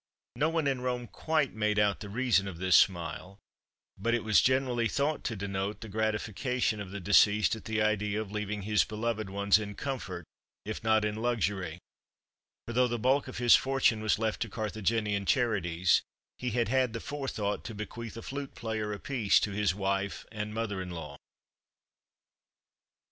No one in Rome quite made out the reason of this smile, but it was generally thought to denote the gratification of the deceased at the idea of leaving his beloved ones in comfort, if not in luxury; for, though the bulk of his fortune was left to Carthaginian charities, he had had the forethought to bequeath a flute player apiece to his wife and mother in law.